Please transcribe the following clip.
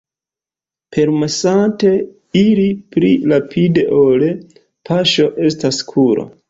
Permesante iri pli rapide ol paŝo estas kuro.